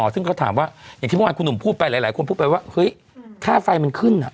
ซึ่งเขาถามว่าอย่างที่เมื่อวานคุณหนุ่มพูดไปหลายคนพูดไปว่าเฮ้ยค่าไฟมันขึ้น